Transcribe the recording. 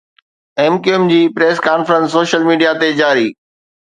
M Q M جي press conference social media تي جاري